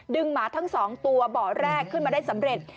หมาทั้ง๒ตัวบ่อแรกขึ้นมาได้สำเร็จ